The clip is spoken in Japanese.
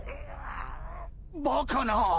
バカな。